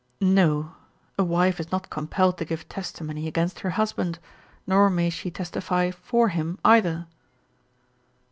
"No. A wife is not compelled to give testimony against her husband, nor may she testify for him, either."